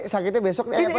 sakitnya besok nih